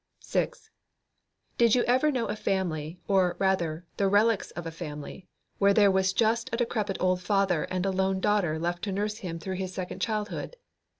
6. Did you ever know a family, or, rather, the relics of a family, where there was just a decrepit old father and a lone daughter left to nurse him through his second childhood?